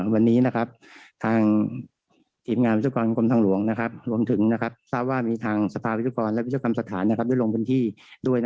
วันนี้ทางทีมงานวิศกรกรมทางหลวงรวมถึงทราบว่ามีทางสภาวิศกรและวิศกรรมสถานได้ลงพื้นที่ด้วย